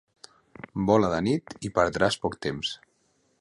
Vola de nit i perdràs poc temps.